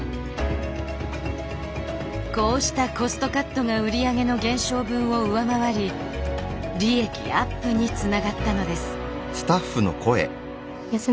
こうしたコストカットが売り上げの減少分を上回り利益アップにつながったのです。